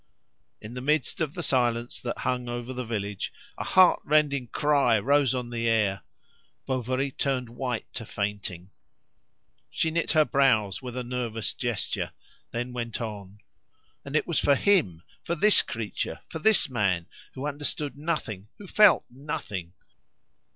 In the midst of the silence that hung over the village a heart rending cry rose on the air. Bovary turned white to fainting. She knit her brows with a nervous gesture, then went on. And it was for him, for this creature, for this man, who understood nothing, who felt nothing!